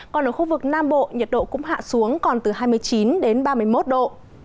còn ở khu vực nam bộ nhiệt độ cũng hạ xuống còn từ hai mươi chín đến ba mươi một độ